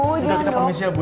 kita permisi ya bu ya